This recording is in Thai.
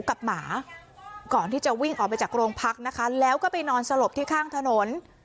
หมาก่อนที่จะวิ่งออกไปจากโรงพักนะคะแล้วก็ไปนอนสลบที่ข้างถนน